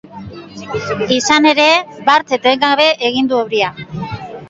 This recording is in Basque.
Izan ere, bart etengabe egin du euria.